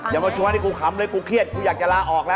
อย่ามีชนว่าที่กูขำเลยกูเข้าเครียดกูอยากจะลาออกละ